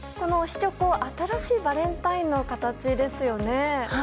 チョコ新しいバレンタインの形ですね。